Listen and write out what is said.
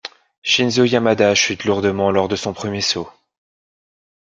Shinzo Yamada chute lourdement lors de son premier saut.